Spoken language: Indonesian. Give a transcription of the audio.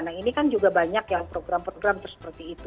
nah ini kan juga banyak ya program program seperti itu